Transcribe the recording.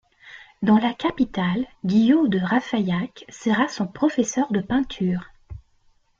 Dans la capitale, Guillot de Raffaillac sera son professeur de peinture.